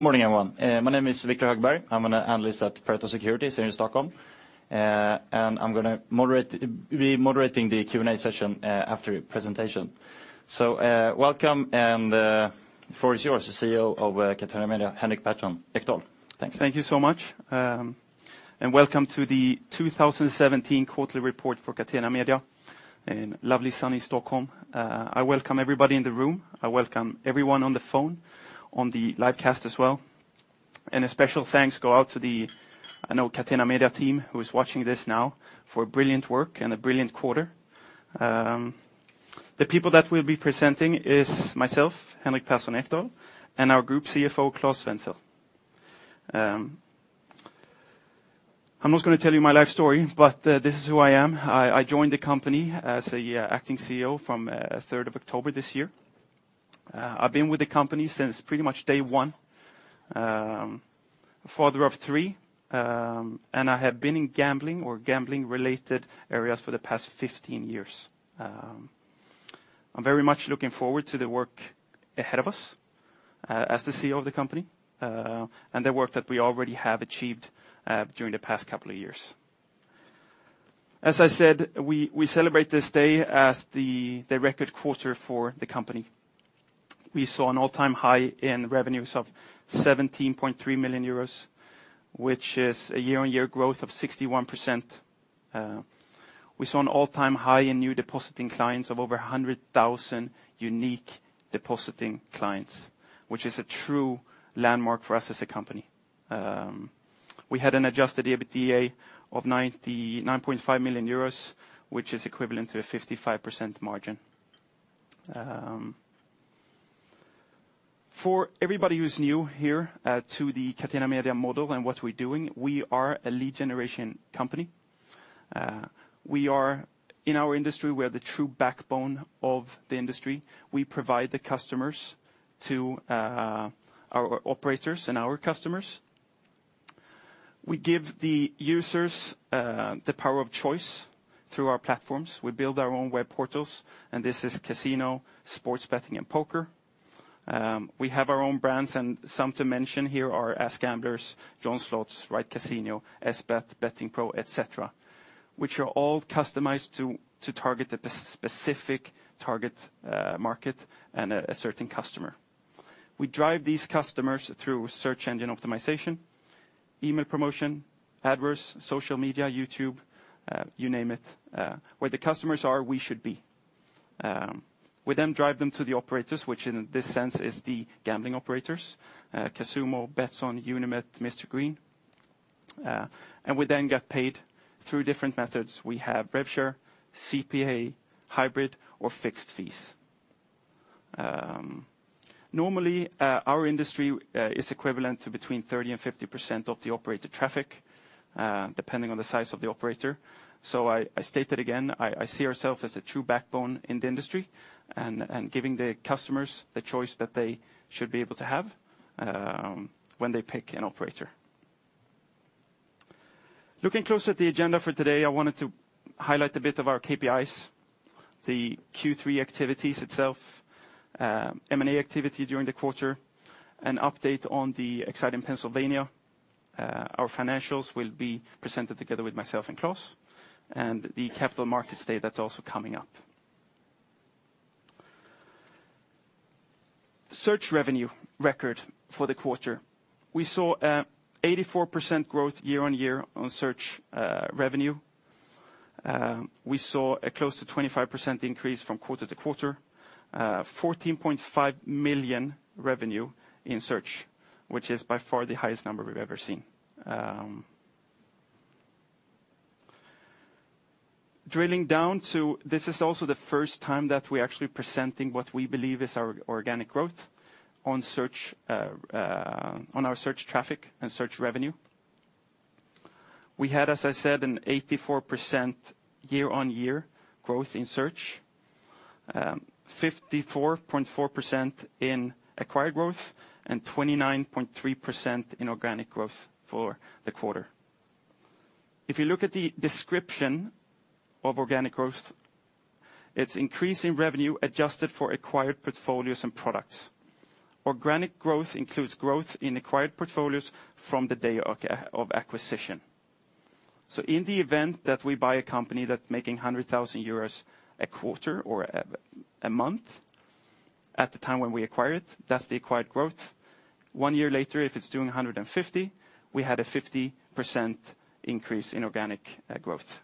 Morning, everyone. My name is Victor Hugberg. I'm an Analyst at Pareto Securities here in Stockholm. I'm going to be moderating the Q&A session after the presentation. Welcome, and the floor is yours, the CEO of Catena Media, Henrik Persson Ekdahl. Thanks. Thank you so much, and welcome to the 2017 quarterly report for Catena Media in lovely, sunny Stockholm. I welcome everybody in the room. I welcome everyone on the phone, on the live cast as well, and a special thanks go out to the Catena Media team who is watching this now for brilliant work and a brilliant quarter. The people that will be presenting is myself, Henrik Persson Ekdahl, and our Group CFO, Claus Svendsen. I'm not going to tell you my life story, but this is who I am. I joined the company as an Acting CEO from 3rd of October this year. I've been with the company since pretty much day one. Father of three, and I have been in gambling or gambling-related areas for the past 15 years. I'm very much looking forward to the work ahead of us as the CEO of the company, and the work that we already have achieved during the past couple of years. As I said, we celebrate this day as the record quarter for the company. We saw an all-time high in revenues of €17.3 million, which is a year-on-year growth of 61%. We saw an all-time high in New Depositing Clients of over 100,000 unique depositing clients, which is a true landmark for us as a company. We had an adjusted EBITDA of €9.5 million, which is equivalent to a 55% margin. For everybody who's new here to the Catena Media model and what we're doing, we are a lead generation company. In our industry, we are the true backbone of the industry. We provide the customers to our operators and our customers. We give the users the power of choice through our platforms. We build our own web portals. This is casino, sports betting, and poker. We have our own brands. Some to mention here are AskGamblers, JohnSlots, RightCasino.com, SBAT, Bettingpro.com, et cetera, which are all customized to target the specific target market and a certain customer. We drive these customers through search engine optimization, email promotion, adverts, social media, YouTube, you name it. Where the customers are, we should be. We then drive them to the operators, which in this sense is the gambling operators, Casumo, Betsson, Unibet, Mr Green. We then get paid through different methods. We have rev share, CPA, hybrid, or fixed fees. Normally, our industry is equivalent to between 30%-50% of the operator traffic, depending on the size of the operator. I state it again, I see ourselves as a true backbone in the industry and giving the customers the choice that they should be able to have when they pick an operator. Looking closer at the agenda for today, I wanted to highlight a bit of our KPIs, the Q3 activities itself, M&A activity during the quarter, an update on the exciting Pennsylvania. Our financials will be presented together with myself and Claus, and the Capital Markets Day that is also coming up. Search revenue record for the quarter. We saw an 84% growth year-on-year on search revenue. We saw a close to 25% increase from quarter-to-quarter, 14.5 million revenue in search, which is by far the highest number we have ever seen. Drilling down, this is also the first time that we are actually presenting what we believe is our organic growth on our search traffic and search revenue. We had, as I said, an 84% year-on-year growth in search, 54.4% in acquired growth and 29.3% in organic growth for the quarter. If you look at the description of organic growth, it is increase in revenue adjusted for acquired portfolios and products. Organic growth includes growth in acquired portfolios from the day of acquisition. In the event that we buy a company that is making 100,000 euros a quarter or a month at the time when we acquire it, that is the acquired growth. One year later, if it is doing 150, we had a 50% increase in organic growth.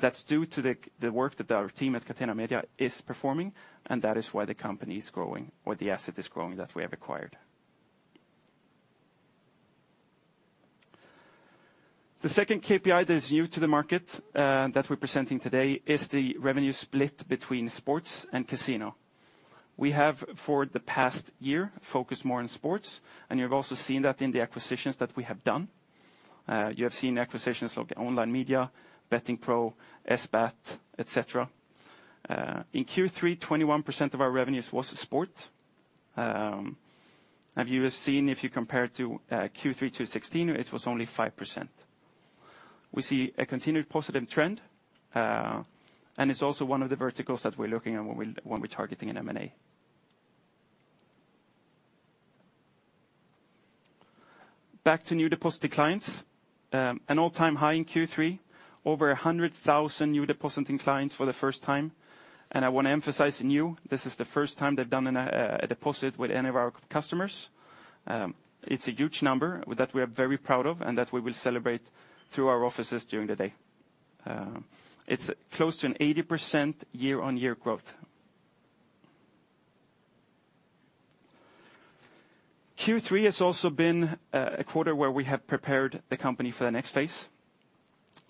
That is due to the work that our team at Catena Media is performing, and that is why the company is growing, or the asset is growing that we have acquired. The second KPI that is new to the market that we are presenting today is the revenue split between sports and casino. We have for the past year, focused more on sports, and you have also seen that in the acquisitions that we have done. You have seen acquisitions like Online Media, Bettingpro.com, SBAT, et cetera. In Q3, 21% of our revenues was sport. You have seen if you compare it to Q3 2016, it was only 5%. We see a continued positive trend, and it is also one of the verticals that we are looking at when we are targeting an M&A. Back to New Depositing Customers, an all-time high in Q3, over 100,000 New Depositing Customers for the first time, and I want to emphasize new. This is the first time they have done a deposit with any of our customers. It is a huge number that we are very proud of and that we will celebrate through our offices during the day. It is close to an 80% year-on-year growth. Q3 has also been a quarter where we have prepared the company for the next phase.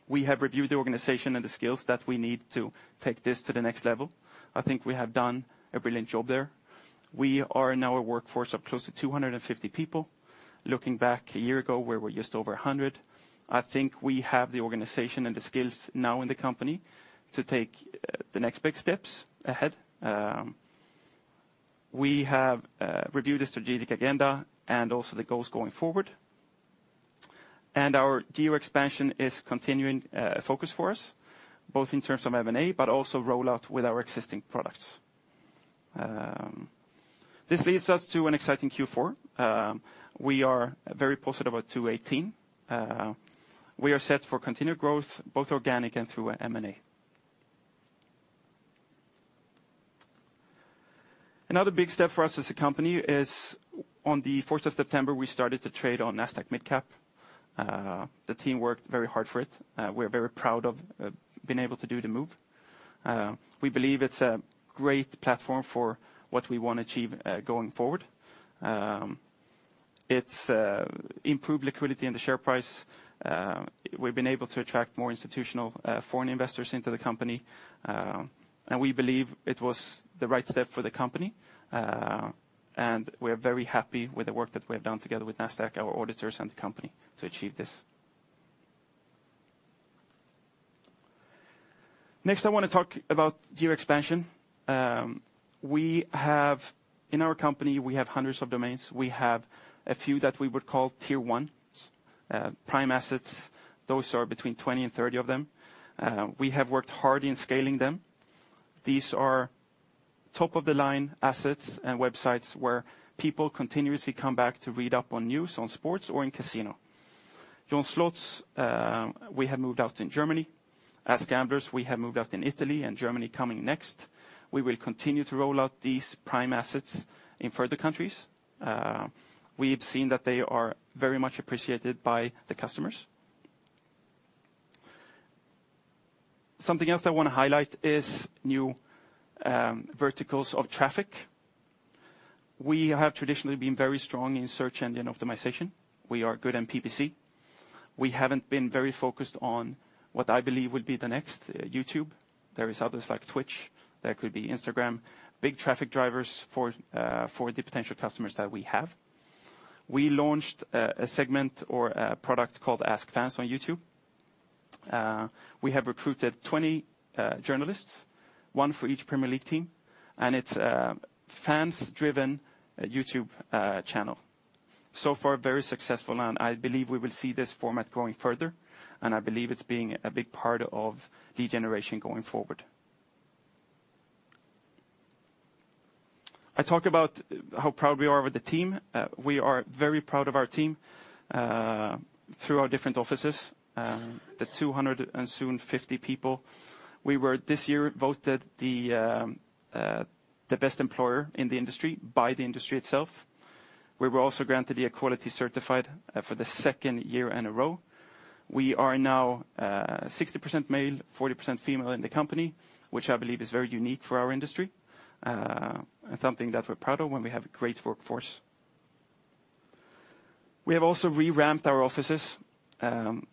We have reviewed the organization and the skills that we need to take this to the next level. I think we have done a brilliant job there. We are now a workforce of close to 250 people. Looking back a year ago, we were just over 100. I think we have the organization and the skills now in the company to take the next big steps ahead. We have reviewed the strategic agenda and also the goals going forward. Our geo expansion is continuing focus for us, both in terms of M&A, but also rollout with our existing products. This leads us to an exciting Q4. We are very positive about 2018. We are set for continued growth, both organic and through M&A. Another big step for us as a company is on the 4th of September, we started to trade on Nasdaq Mid Cap. The team worked very hard for it. We are very proud of being able to do the move. We believe it is a great platform for what we want to achieve going forward. It has improved liquidity in the share price. We have been able to attract more institutional foreign investors into the company, and we believe it was the right step for the company. We are very happy with the work that we have done together with Nasdaq, our auditors, and the company to achieve this. Next, I want to talk about geo expansion. In our company, we have hundreds of domains. We have a few that we would call tier 1 prime assets. Those are between 20 and 30 of them. We have worked hard in scaling them. These are top-of-the-line assets and websites where people continuously come back to read up on news on sports or in casino. JohnSlots, we have moved out in Germany. AskGamblers, we have moved out in Italy and Germany coming next. We will continue to roll out these prime assets in further countries. We have seen that they are very much appreciated by the customers. Something else I want to highlight is new verticals of traffic. We have traditionally been very strong in search engine optimization. We are good in PPC. We have not been very focused on what I believe will be the next YouTube. There are others like Twitch. There could be Instagram, big traffic drivers for the potential customers that we have. We launched a segment or a product called AskFans on YouTube. We have recruited 20 journalists, one for each Premier League team, and it is a fans-driven YouTube channel. So far, very successful, and I believe we will see this format going further, and I believe it is being a big part of lead generation going forward. I talk about how proud we are with the team. We are very proud of our team through our different offices, the 200 and soon 50 people. We were, this year, voted the best employer in the industry by the industry itself. We were also granted the equality certified for the second year in a row. We are now 60% male, 40% female in the company, which I believe is very unique for our industry, and something that we are proud of when we have a great workforce. We have also re-ramped our offices.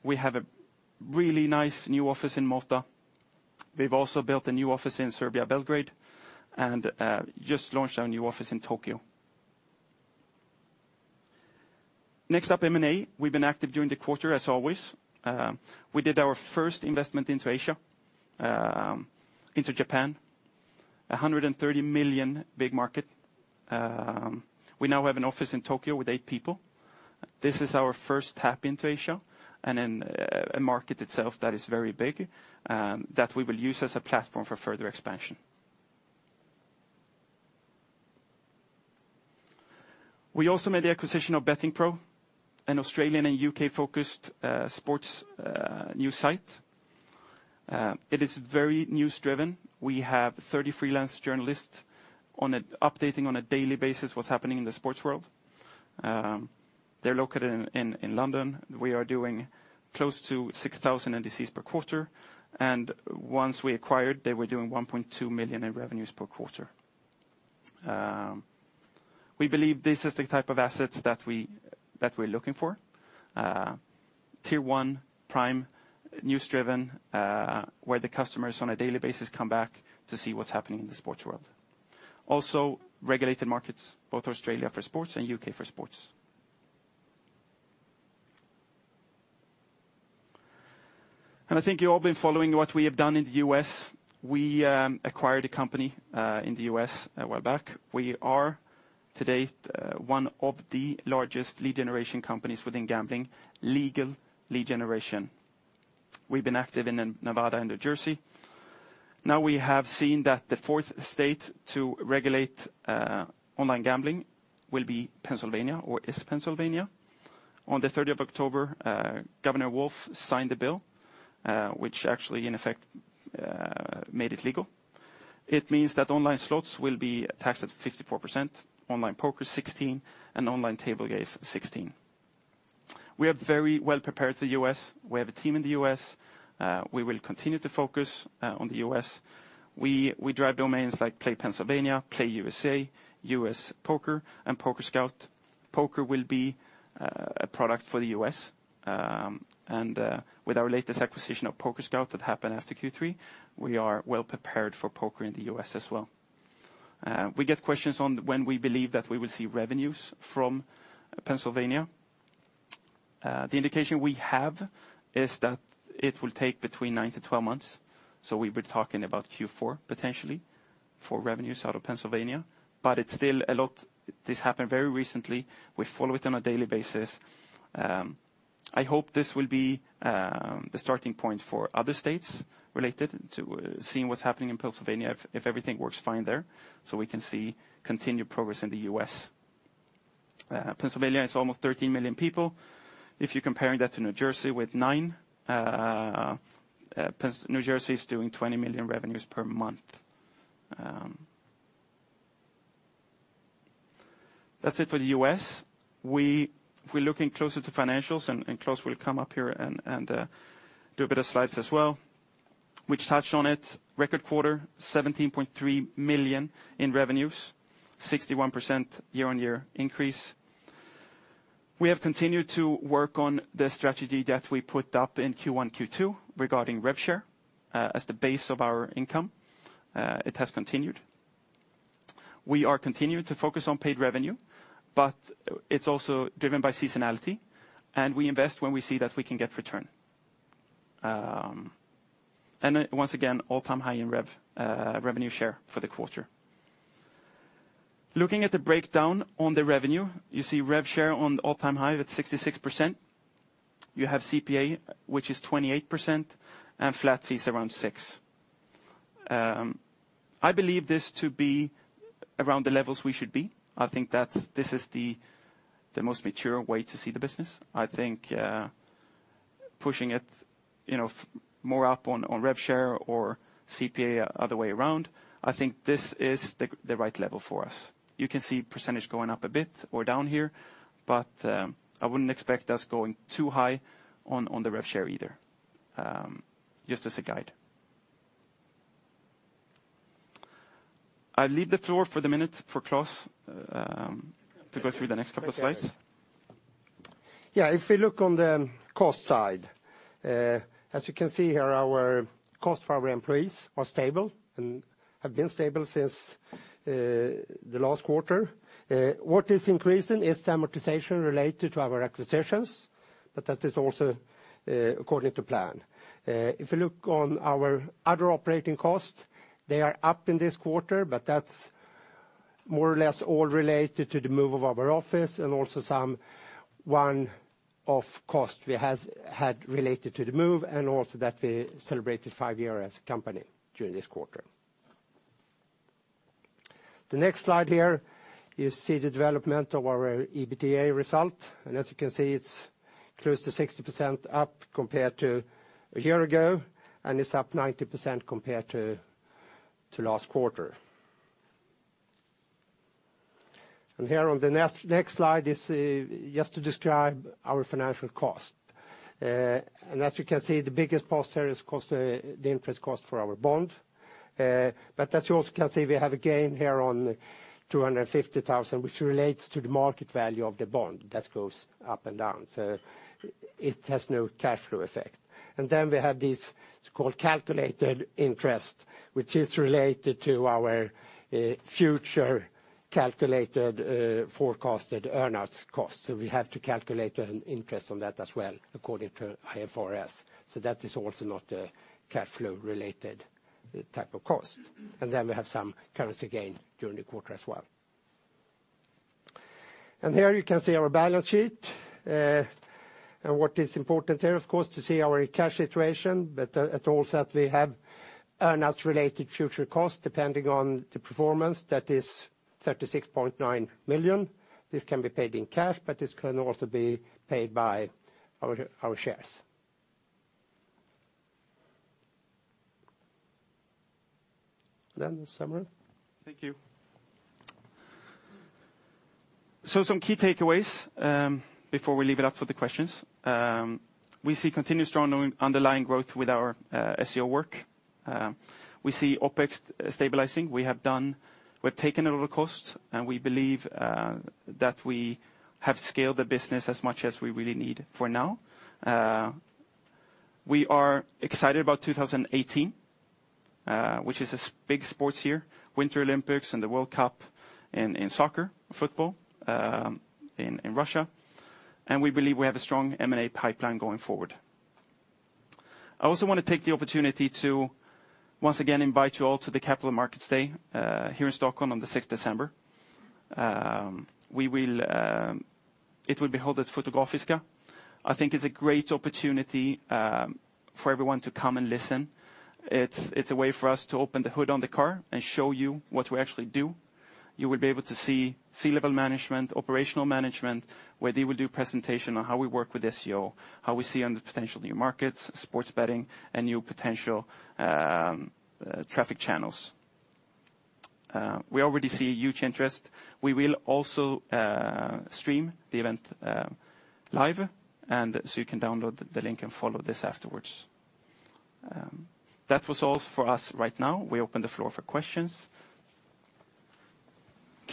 We have a really nice new office in Malta. We have also built a new office in Serbia, Belgrade, and just launched our new office in Tokyo. Next up, M&A. We have been active during the quarter as always. We did our first investment into Asia, into Japan, 130 million, big market. We now have an office in Tokyo with eight people. This is our first tap into Asia, and in a market itself that is very big, that we will use as a platform for further expansion. We also made the acquisition of Bettingpro, an Australian and U.K.-focused sports news site. It is very news-driven. We have 30 freelance journalists updating on a daily basis what's happening in the sports world. They're located in London. We are doing close to 6,000 NDCs per quarter, and once we acquired, they were doing 1.2 million in revenues per quarter. We believe this is the type of assets that we're looking for. Tier 1, prime, news-driven, where the customers on a daily basis come back to see what's happening in the sports world. Also, regulated markets, both Australia for sports and U.K. for sports. I think you've all been following what we have done in the U.S. We acquired a company in the U.S. a while back. We are today, one of the largest lead generation companies within gambling, legal lead generation. We've been active in Nevada and New Jersey. We have seen that the fourth state to regulate online gambling will be Pennsylvania or is Pennsylvania. On the 30th of October, Governor Wolf signed the bill which actually in effect, made it legal. It means that online slots will be taxed at 54%, online poker 16%, and online table games 16%. We are very well prepared for the U.S. We have a team in the U.S. We will continue to focus on the U.S. We drive domains like playpennsylvania.com, playusa.com, usapoker.com, and pokerscout.com. Poker will be a product for the U.S., and with our latest acquisition of pokerscout.com that happened after Q3, we are well prepared for poker in the U.S. as well. We get questions on when we believe that we will see revenues from Pennsylvania. The indication we have is that it will take between 9 to 12 months, so we'll be talking about Q4 potentially for revenues out of Pennsylvania, but it's still a lot. This happened very recently. We follow it on a daily basis. I hope this will be the starting point for other states related to seeing what's happening in Pennsylvania if everything works fine there, so we can see continued progress in the U.S. Pennsylvania has almost 13 million people. If you're comparing that to New Jersey with 9, New Jersey is doing 20 million revenues per month. That's it for the U.S. We're looking closer to financials, and Claus will come up here and do a bit of slides as well. We touched on it. Record quarter, 17.3 million in revenues, 61% year-on-year increase. We have continued to work on the strategy that we put up in Q1, Q2 regarding rev share as the base of our income. It has continued. We are continuing to focus on paid revenue, but it's also driven by seasonality, and we invest when we see that we can get return. Once again, all-time high in rev share for the quarter. Looking at the breakdown on the revenue, you see rev share on the all-time high with 66%. You have CPA, which is 28%. Flat fees around 6%. I believe this to be around the levels we should be. I think that this is the most mature way to see the business. I think pushing it more up on rev share or CPA other way around, I think this is the right level for us. You can see percentage going up a bit or down here, but I wouldn't expect us going too high on the rev share either. Just as a guide. I leave the floor for the minute for Claus to go through the next couple of slides. If we look on the cost side, as you can see here, our cost for our employees are stable and have been stable since the last quarter. What is increasing is the amortization related to our acquisitions, but that is also according to plan. If you look on our other operating costs, they are up in this quarter, but that's more or less all related to the move of our office and also some one-off cost we had related to the move, and also that we celebrated five years as a company during this quarter. The next slide here, you see the development of our EBITDA result. As you can see, it's close to 60% up compared to a year ago, and it's up 90% compared to last quarter. Here on the next slide is just to describe our financial cost. As you can see, the biggest cost there is the interest cost for our bond. As you also can see, we have a gain here on 250,000, which relates to the market value of the bond that goes up and down. It has no cash flow effect. Then we have these, it's called calculated interest, which is related to our future calculated forecasted earn out costs. We have to calculate an interest on that as well, according to IFRS. That is also not a cash flow related type of cost. Then we have some currency gain during the quarter as well. Here you can see our balance sheet. What is important there, of course, to see our cash situation. At all said, we have earn-outs related future cost depending on the performance. That is 36.9 million. This can be paid in cash, but this can also be paid by our shares. Samuel. Thank you. Some key takeaways before we leave it up for the questions. We see continued strong underlying growth with our SEO work. We see OpEx stabilizing. We've taken a lot of cost, and we believe that we have scaled the business as much as we really need for now. We are excited about 2018, which is a big sports year, Winter Olympics and the World Cup in soccer, football in Russia. We believe we have a strong M&A pipeline going forward. I also want to take the opportunity to once again invite you all to the Capital Markets Day here in Stockholm on the 6th of December. It will be held at Fotografiska. I think it's a great opportunity for everyone to come and listen. It's a way for us to open the hood on the car and show you what we actually do. You will be able to see senior level management, operational management, where they will do presentation on how we work with SEO, how we see on the potential new markets, sports betting, and new potential traffic channels. We already see a huge interest. We will also stream the event live, and so you can download the link and follow this afterwards. That was all for us right now. We open the floor for questions.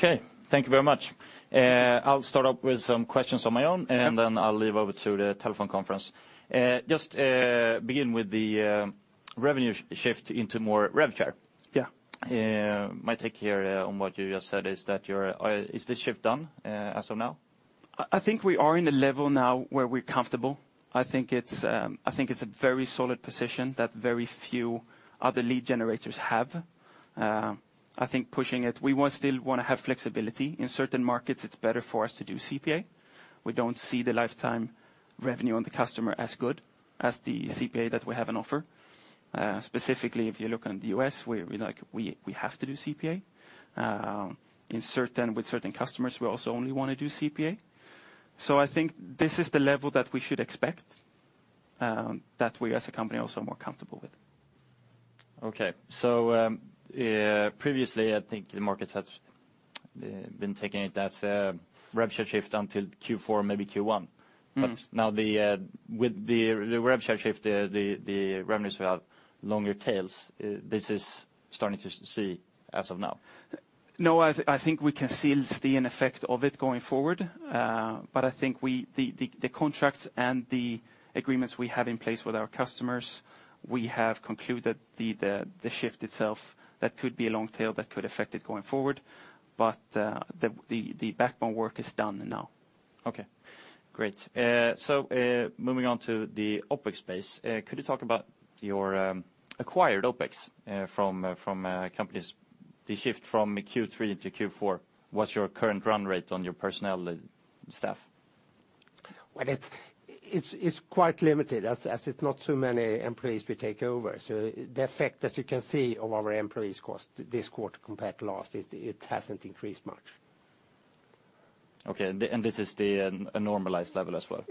Thank you very much. I'll start off with some questions on my own, and then I'll leave over to the telephone conference. Just begin with the revenue shift into more revenue share. Yeah. My take here on what you just said is that, is this shift done as of now? I think we are in a level now where we're comfortable. I think it's a very solid position that very few other lead generators have. I think pushing it, we still want to have flexibility. In certain markets, it's better for us to do CPA. We don't see the lifetime revenue on the customer as good as the CPA that we have on offer. Specifically, if you look in the U.S., we have to do CPA. With certain customers, we also only want to do CPA. I think this is the level that we should expect, that we as a company are also more comfortable with. Okay. Previously, I think the markets had been taking it as a revenue share shift until Q4, maybe Q1. Now with the revenue share shift, the revenues have longer tails. This is starting to see as of now. No, I think we can still see an effect of it going forward. I think the contracts and the agreements we have in place with our customers, we have concluded the shift itself. That could be a long tail that could affect it going forward. The backbone work is done now. Okay, great. Moving on to the OpEx space. Could you talk about your acquired OpEx from companies? The shift from Q3 into Q4. What's your current run rate on your personnel staff? Well, it's quite limited, as it's not too many employees we take over. The effect, as you can see, of our employees' cost this quarter compared to last, it hasn't increased much. Okay, this is the normalized level as well?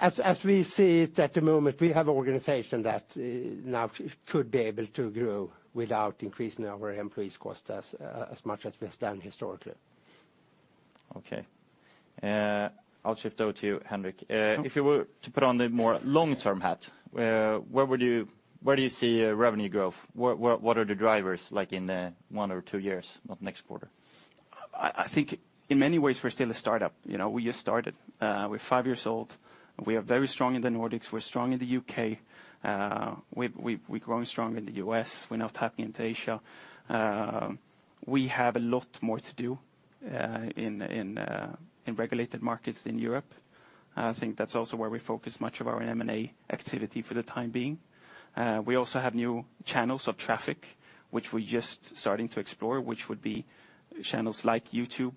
As we see it at the moment, we have an organization that now should be able to grow without increasing our employees' cost as much as we've done historically. Okay. I'll shift over to you, Henrik. If you were to put on the more long-term hat, where do you see revenue growth? What are the drivers like in one or two years, not next quarter? I think in many ways, we're still a startup. We just started. We're five years old. We are very strong in the Nordics. We're strong in the U.K. We're growing strong in the U.S. We're now tapping into Asia. We have a lot more to do in regulated markets in Europe. I think that's also where we focus much of our M&A activity for the time being. We also have new channels of traffic, which we're just starting to explore, which would be channels like YouTube,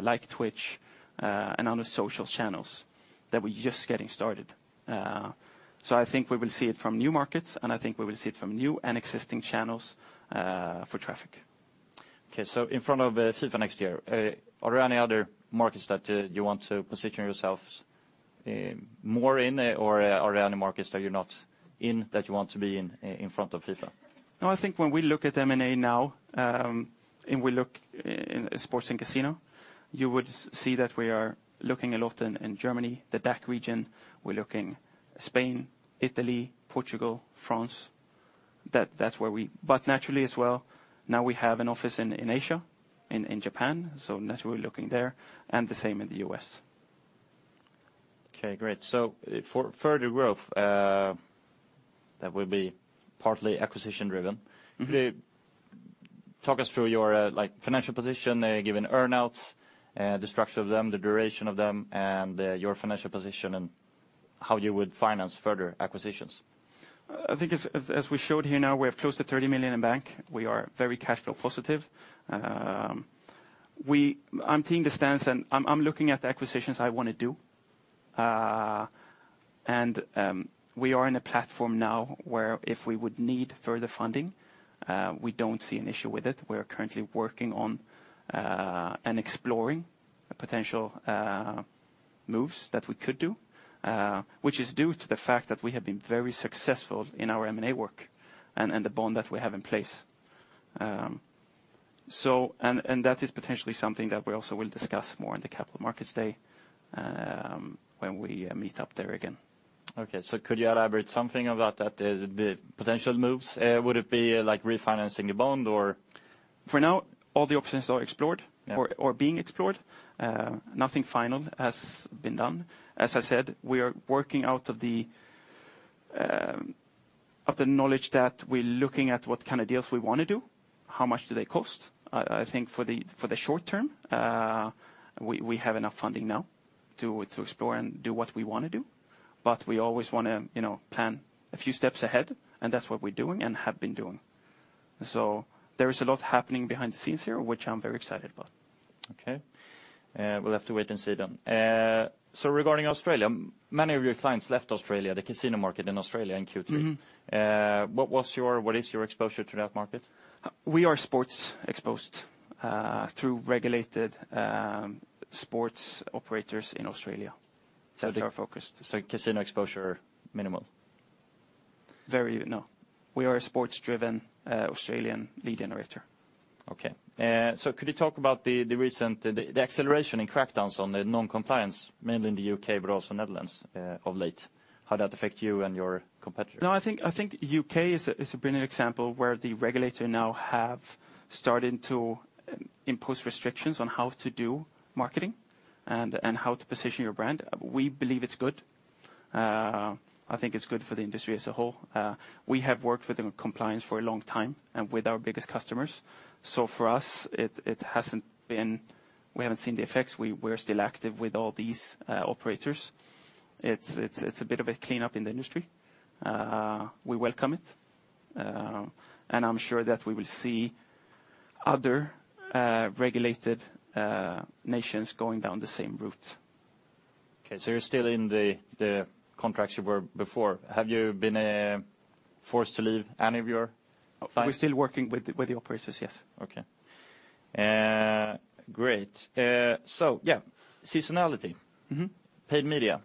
like Twitch, and other social channels that we're just getting started. I think we will see it from new markets, and I think we will see it from new and existing channels for traffic. Okay. In front of FIFA next year, are there any other markets that you want to position yourselves more in, or are there any markets that you're not in, that you want to be in front of FIFA? No, I think when we look at M&A now, and we look in sports and casino, you would see that we are looking a lot in Germany, the DACH region. We're looking Spain, Italy, Portugal, France. Naturally as well, now we have an office in Asia, in Japan, so naturally we're looking there, and the same in the U.S. Okay, great. For further growth, that will be partly acquisition driven. Talk us through your financial position given earn-outs, the structure of them, the duration of them, and your financial position and how you would finance further acquisitions. I think as we showed here now we have close to 30 million in bank. We are very cash flow positive. I'm taking the stance and I'm looking at the acquisitions I want to do. We are in a platform now where if we would need further funding, we don't see an issue with it. We're currently working on and exploring potential moves that we could do, which is due to the fact that we have been very successful in our M&A work and the bond that we have in place. That is potentially something that we also will discuss more in the Capital Markets Day when we meet up there again. Okay. Could you elaborate something about the potential moves? Would it be like refinancing a bond or? For now, all the options are explored or are being explored. Yeah. Nothing final has been done. As I said, we are working out of the knowledge that we're looking at what kind of deals we want to do. How much do they cost? I think for the short term, we have enough funding now to explore and do what we want to do. We always want to plan a few steps ahead, and that's what we're doing and have been doing. There is a lot happening behind the scenes here, which I'm very excited about. Okay. We'll have to wait and see then. Regarding Australia, many of your clients left Australia, the casino market in Australia in Q3. What is your exposure to that market? We are sports exposed through regulated sports operators in Australia. That's our focus. Casino exposure, minimal? Very, no. We are a sports-driven Australian lead generator. Okay. Could you talk about the recent acceleration in crackdowns on the non-compliance, mainly in the U.K., but also Netherlands of late? How did that affect you and your competitors? No, I think U.K. is a brilliant example where the regulator now have started to impose restrictions on how to do marketing and how to position your brand. We believe it's good. I think it's good for the industry as a whole. We have worked with compliance for a long time and with our biggest customers. For us, we haven't seen the effects. We're still active with all these operators. It's a bit of a cleanup in the industry. We welcome it, and I'm sure that we will see other regulated nations going down the same route. Okay, you're still in the contracts you were before. Have you been forced to leave any of your clients? We're still working with the operators, yes. Okay. Great. Yeah, seasonality. paid media.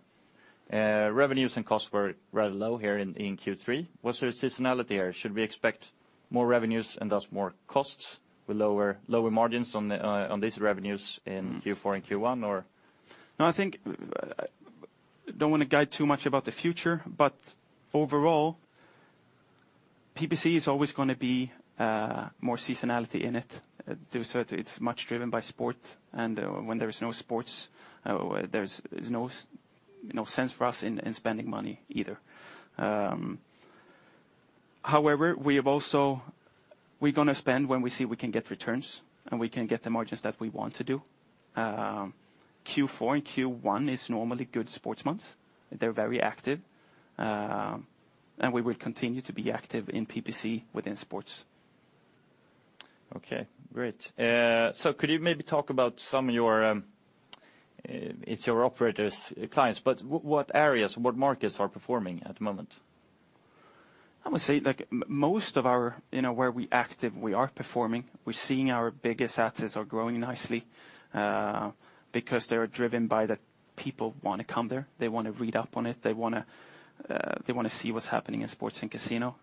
Revenues and costs were rather low here in Q3. Was there a seasonality error? Should we expect more revenues and thus more costs with lower margins on these revenues in Q4 and Q1, or? I think I don't want to guide too much about the future, overall, PPC is always going to be more seasonality in it. It's much driven by sport, and when there is no sports, there's no sense for us in spending money either. However, we're going to spend when we see we can get returns, and we can get the margins that we want to do. Q4 and Q1 is normally good sports months. They're very active. We will continue to be active in PPC within sports. Great. Could you maybe talk about some of your, it's your operators, clients, what areas, what markets are performing at the moment? I would say most of our, where we active, we are performing. We're seeing our biggest assets are growing nicely because they are driven by the people who want to come there, they want to read up on it, they want to see what's happening in sports and casino.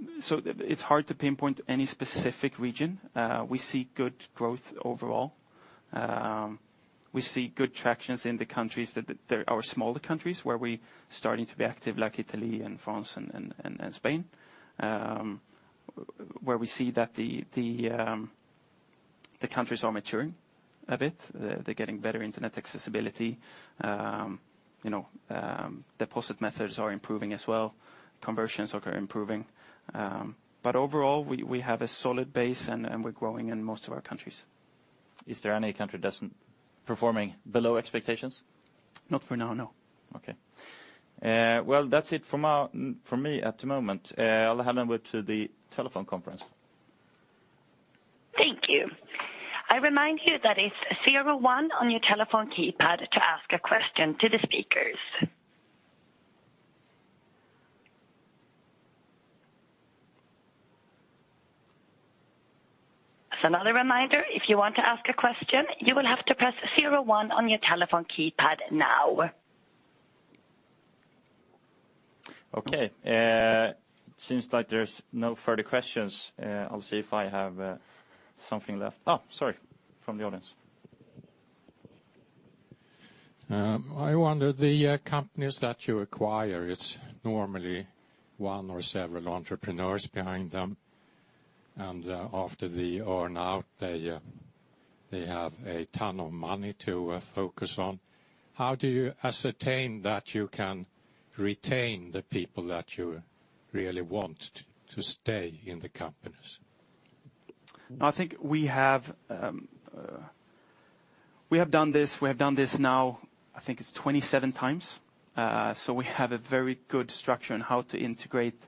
It's hard to pinpoint any specific region. We see good growth overall. We see good tractions in the countries that are smaller countries where we're starting to be active, like Italy and France and Spain, where we see that the countries are maturing a bit. They're getting better internet accessibility. Deposit methods are improving as well. Conversions are improving. Overall, we have a solid base, and we're growing in most of our countries. Is there any country that's performing below expectations? Not for now, no. Okay. That's it from me at the moment. I'll hand over to the telephone conference. Thank you. I remind you that it's zero one on your telephone keypad to ask a question to the speakers. As another reminder, if you want to ask a question, you will have to press zero one on your telephone keypad now. Okay. Seems like there's no further questions. I'll see if I have something left. Oh, sorry, from the audience. I wonder, the companies that you acquire, it's normally one or several entrepreneurs behind them, and after the earn out, they have a ton of money to focus on. How do you ascertain that you can retain the people that you really want to stay in the companies? I think we have done this now, I think it's 27 times. We have a very good structure on how to integrate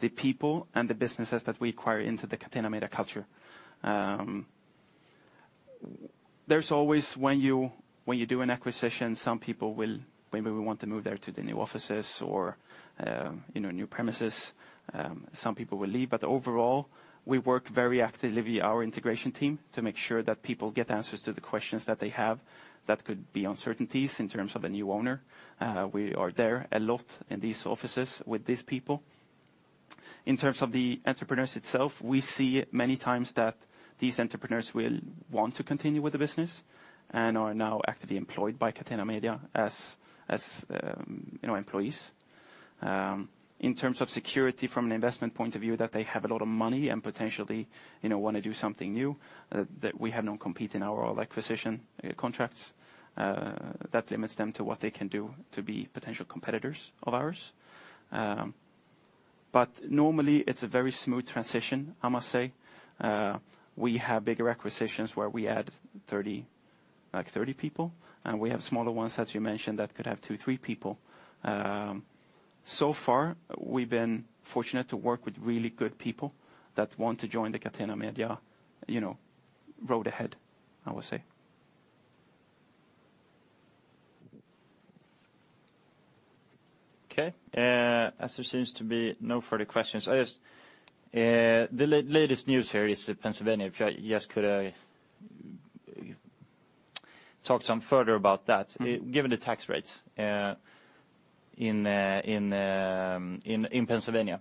the people and the businesses that we acquire into the Catena Media culture. There's always when you do an acquisition, some people will maybe want to move there to the new offices or new premises. Some people will leave, but overall, we work very actively with our integration team to make sure that people get answers to the questions that they have. That could be uncertainties in terms of a new owner. We are there a lot in these offices with these people. In terms of the entrepreneurs itself, we see many times that these entrepreneurs will want to continue with the business and are now actively employed by Catena Media as employees. In terms of security from an investment point of view, that they have a lot of money and potentially want to do something new, that we have no compete in our acquisition contracts. That limits them to what they can do to be potential competitors of ours. Normally it's a very smooth transition, I must say. We have bigger acquisitions where we add 30 people, and we have smaller ones, as you mentioned, that could have two, three people. So far, we've been fortunate to work with really good people that want to join the Catena Media road ahead, I would say. Okay. As there seems to be no further questions, the latest news here is Pennsylvania. If you just could talk some further about that. Given the tax rates in Pennsylvania,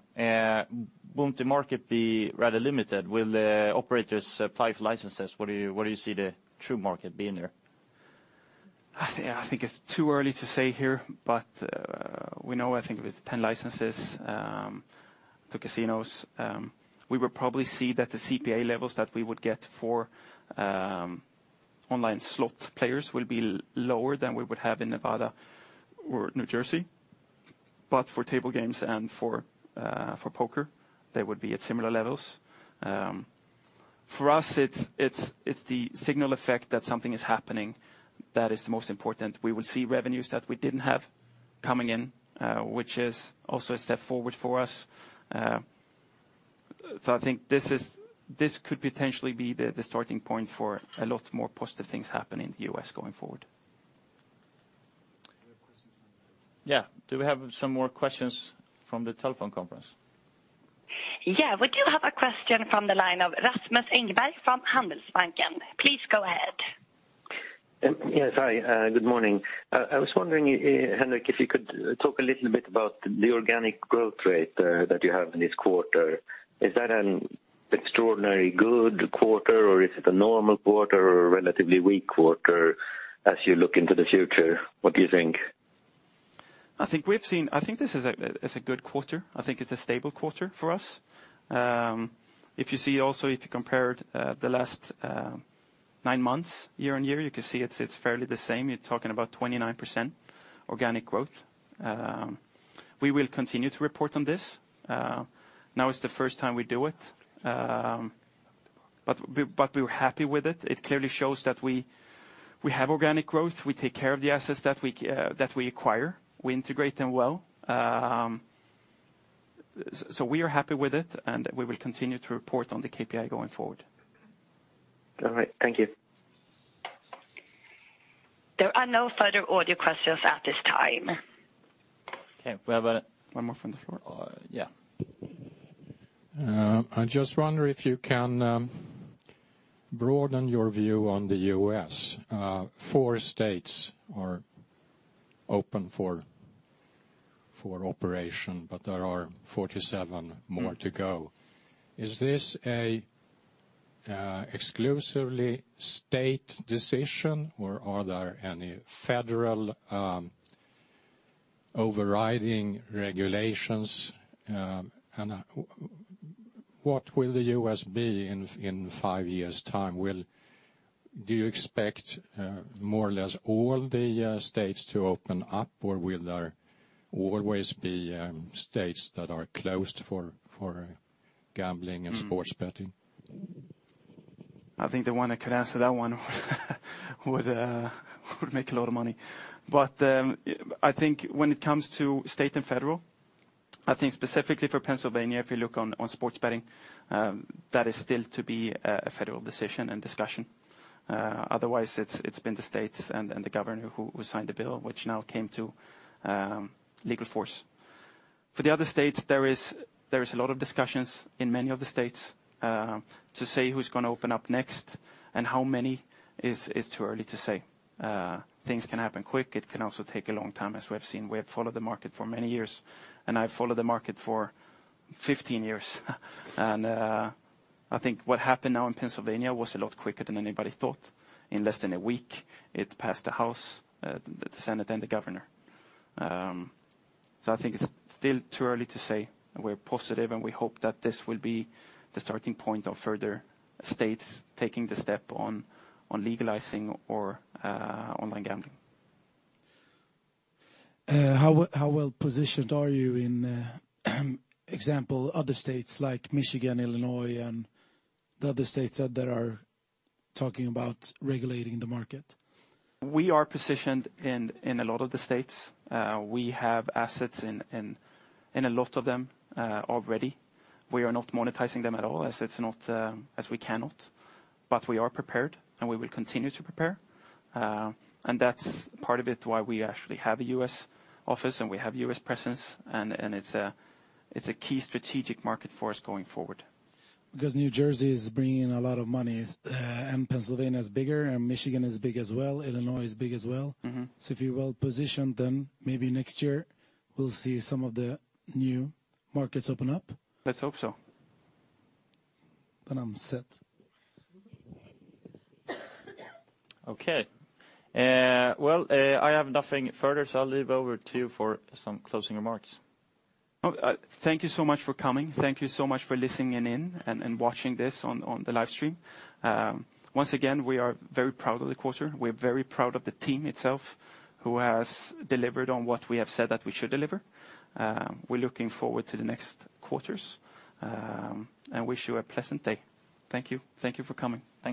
won't the market be rather limited? Will the operators apply for licenses? Where do you see the true market being there? I think it's too early to say here. We know, I think it was 10 licenses to casinos. We will probably see that the CPA levels that we would get for online slot players will be lower than we would have in Nevada or New Jersey. For table games and for poker, they would be at similar levels. For us, it's the signal effect that something is happening that is the most important. We will see revenues that we didn't have coming in, which is also a step forward for us. I think this could potentially be the starting point for a lot more positive things happening in the U.S. going forward. Yeah. Do we have some more questions from the telephone conference? Yeah. We do have a question from the line of Rasmus Engberg from Handelsbanken. Please go ahead. Yes. Hi, good morning. I was wondering, Henrik, if you could talk a little bit about the organic growth rate that you have in this quarter. Is that an extraordinarily good quarter, or is it a normal quarter or a relatively weak quarter as you look into the future? What do you think? I think this is a good quarter. I think it's a stable quarter for us. If you see also if you compared the last nine months year-over-year, you can see it's fairly the same. You're talking about 29% organic growth. We will continue to report on this. Now is the first time we do it. We're happy with it. It clearly shows that we have organic growth. We take care of the assets that we acquire. We integrate them well. We are happy with it, and we will continue to report on the KPI going forward. All right. Thank you. There are no further audio questions at this time. Okay. We have one more from the floor. Yeah. I just wonder if you can broaden your view on the U.S. Four states are open for operation, but there are 47 more to go. Is this a exclusively state decision, or are there any federal overriding regulations? What will the U.S. be in five years' time? Do you expect more or less all the states to open up, or will there always be states that are closed for gambling and sports betting? I think the one who could answer that one would make a lot of money. I think when it comes to state and federal, I think specifically for Pennsylvania, if you look on sports betting, that is still to be a federal decision and discussion. Otherwise, it's been the states and the governor who signed the bill, which now came to legal force. For the other states, there is a lot of discussions in many of the states. To say who's going to open up next and how many is too early to say. Things can happen quick. It can also take a long time, as we have seen. We have followed the market for many years, and I've followed the market for 15 years. I think what happened now in Pennsylvania was a lot quicker than anybody thought. In less than a week, it passed the House, the Senate, and the governor. I think it's still too early to say. We're positive, and we hope that this will be the starting point of further states taking the step on legalizing online gambling. How well-positioned are you in, example, other states like Michigan, Illinois, and the other states that are talking about regulating the market? We are positioned in a lot of the states. We have assets in a lot of them already. We are not monetizing them at all, as we cannot. We are prepared, and we will continue to prepare. That's part of it, why we actually have a U.S. office and we have U.S. presence, and it's a key strategic market for us going forward. New Jersey is bringing in a lot of money, and Pennsylvania is bigger, and Michigan is big as well. Illinois is big as well. If you're well-positioned, then maybe next year we'll see some of the new markets open up. Let's hope so. I'm set. Okay. Well, I have nothing further, I'll leave over to you for some closing remarks. Thank you so much for coming. Thank you so much for listening in and watching this on the live stream. Once again, we are very proud of the quarter. We're very proud of the team itself, who has delivered on what we have said that we should deliver. We're looking forward to the next quarters, and wish you a pleasant day. Thank you. Thank you for coming.